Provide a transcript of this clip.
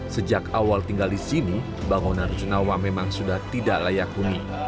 sejak awal tinggal di sini bangunan rujunawa memang sudah tidak layak huni